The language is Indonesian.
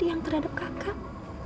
tiang terhadap kakak